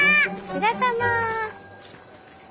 白玉！